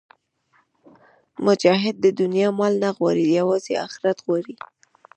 مجاهد د دنیا مال نه غواړي، یوازې آخرت غواړي.